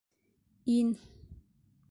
Ин...